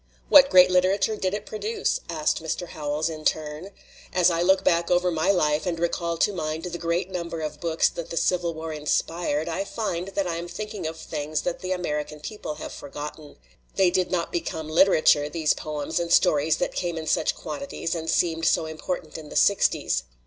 "What great literature did it produce?" asked Mr. Howells in turn. "As I look back over my life and recall to mind the great number of books that the Civil War inspired I find that I am thinking of things that the American people have forgotten. They did not become literature, these poems and stories that came in such quantities and seemed so important in the sixties.